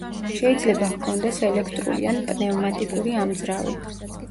შეიძლება ჰქონდეს ელექტრული ან პნევმატიკური ამძრავი.